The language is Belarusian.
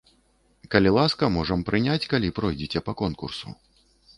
Калі ласка, можам прыняць, калі пройдзе па конкурсу.